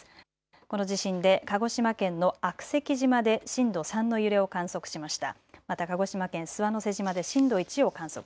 この地震で鹿児島県の悪石島で震度３の揺れを観測しました。